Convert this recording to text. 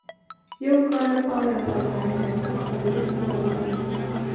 د یو کال لپاره د کارخانې مصارف څلوېښت زره افغانۍ کېږي